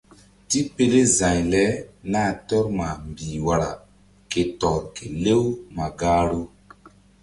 Tipele za̧y le nah tɔr ma mbih wara ke tɔr kelew ma gahru.